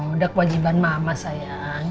udah kewajiban mama sayang